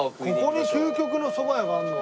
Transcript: ここに究極のそば屋があるの？